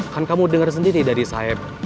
kan kamu denger sendiri dari saeb